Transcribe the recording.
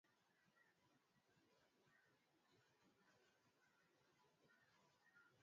yanaelezwa kabisa hayakuwa na ukweli wowote